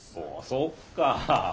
そっかぁ。